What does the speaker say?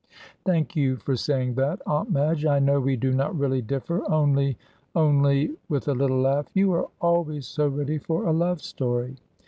"Thank you for saying that, Aunt Madge. I know we do not really differ, only only," with a little laugh, "you are always so ready for a love story."